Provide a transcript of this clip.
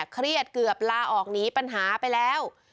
เครียดเกือบลาออกหนีปัญหาไปแล้ว